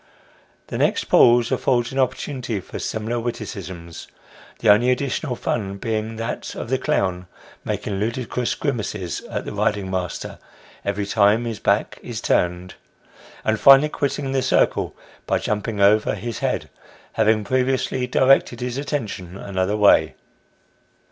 The next pause affords an opportunity for similar witticisms, the only additional fun being that of the clown making ludicrous grimaces at the riding master every time his back is turned ; and finally quitting the circle by jumping over his head, having previously directed his attention another way.